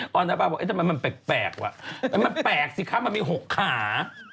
ก็น้าภาพบอกเอ๊ะทำไมมันแปลกวะมันแปลกสิครับมันมีหกขา